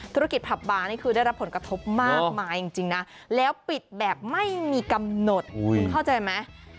ธุรกิจผับบาร์นี่คือได้รับผลกระทบมากมายจริงนะแล้วปิดแบบไม่มีกำหนดคุณเข้าใจไหม